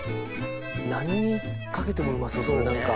何にかけてもうまそうですね何か。